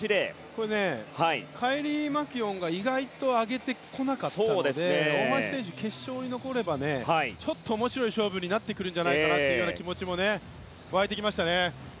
これカイリー・マキュオンが意外と上げてこなかったので大橋選手決勝に残れば面白い勝負になってくるんじゃないかという気持ちも沸いてきましたね。